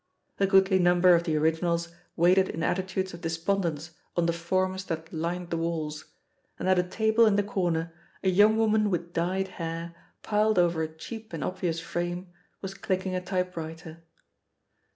A goodly number of the originals waited in atti tudes of despondence on the forms that lined the walls, and at a table in the corner a young woman with dyed hair, piled over a cheap and obvious frame, was clicking a typewriter.